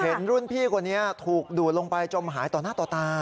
เห็นรุ่นพี่คนนี้ถูกดูดลงไปจมหายต่อหน้าต่อตา